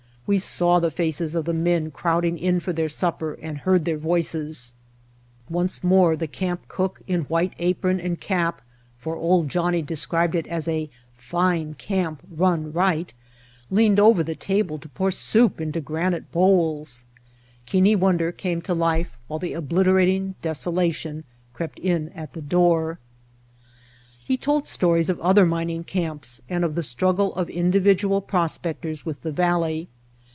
We saw the faces of the men crowding in for their supper and heard their voices. Once more the camp cook in white apron and cap, for "Old Johnnie" described it as a fine camp "run right," leaned over the table to pour soup into [1 06] Entering Death Valley granite bowls. Keane Wonder came to life while the obliterating desolation crept in at the door. He told stories of other mining camps and of the struggle of individual prospectors with the valley.